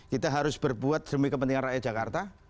kita harus berbuat demi kepentingan rakyat jakarta